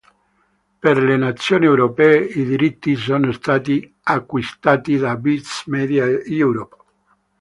Per le nazioni europee i diritti sono stati acquistati da Viz Media Europe.